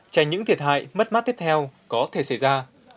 tránh những thiệt hại mất mát tiếp theo có thể xảy ra